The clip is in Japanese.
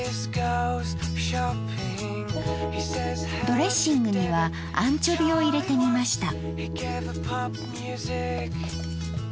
ドレッシングにはアンチョビを入れてみました。